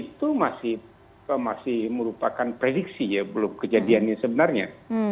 dan kondisi itu masih merupakan prediksi belum kejadiannya sebenarnya